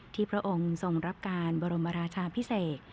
พระองค์ทรงรับการบรมราชาพิเศษ